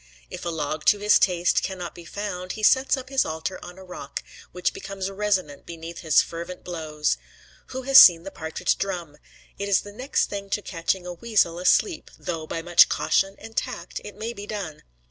If a log to his taste cannot be found, he sets up his altar on a rock, which becomes resonant beneath his fervent blows. Who has seen the partridge drum? It is the next thing to catching a weasel asleep, though by much caution and tact it may be done.